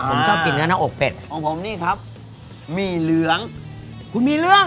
ผมชอบกินเนื้อหน้าอกเป็ดของผมนี่ครับหมี่เหลืองคุณมีเรื่อง